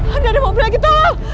ada ada mobil lagi tolong